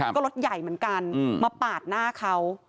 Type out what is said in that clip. ก็รถใหญ่เหมือนกันมาปาดหน้าเขา